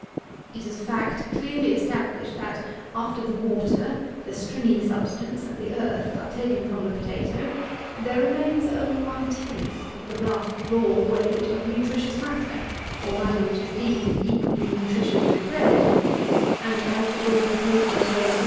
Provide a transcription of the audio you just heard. It is a fact clearly established, that, after the water, the stringy substance, and the earth, are taken from the potatoe, there remains only one tenth of the rough raw weight of nutritious matter, or matter which is deemed equally nutritious with bread, and, as the raw potatoes weigh 56lb.